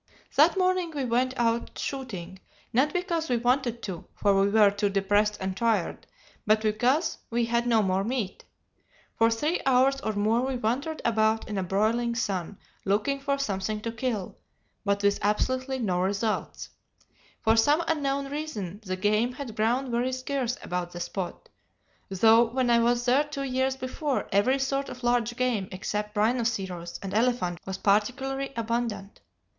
"That morning we went out shooting, not because we wanted to, for we were too depressed and tired, but because we had no more meat. For three hours or more we wandered about in a broiling sun looking for something to kill, but with absolutely no results. For some unknown reason the game had grown very scarce about the spot, though when I was there two years before every sort of large game except rhinoceros and elephant was particularly abundant.